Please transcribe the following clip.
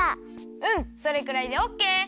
うんそれくらいでオッケー！